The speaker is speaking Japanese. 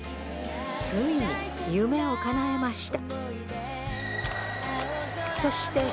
ついに、夢をかなえました。